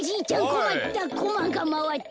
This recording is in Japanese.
こまったコマがまわった。